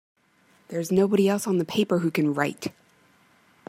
There's nobody else on the paper who can write!